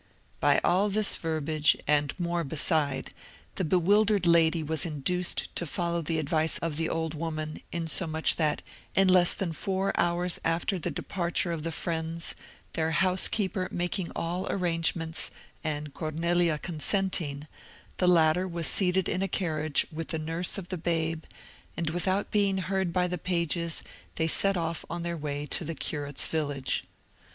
By all this verbiage, and more beside, the bewildered lady was induced to follow the advice of the old woman, insomuch that, in less than four hours after the departure of the friends, their housekeeper making all arrangements, and Cornelia consenting, the latter was seated in a carriage with the nurse of the babe, and without being heard by the pages they set off on their way to the curate's village.